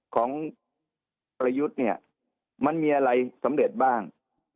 ของประยุทธ์เนี่ยมันมีอะไรสำเร็จบ้าง